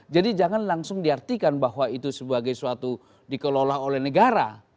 jadi jangan langsung diartikan bahwa itu sebagai suatu dikelola oleh negara